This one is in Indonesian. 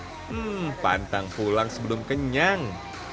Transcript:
hmm pantang pulang sebelum kenyang